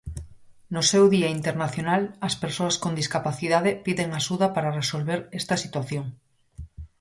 No seu día internacional, as persoas con discapacidade piden axuda para resolver esta situación.